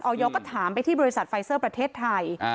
ยก็ถามไปที่บริษัทไฟเซอร์ประเทศไทย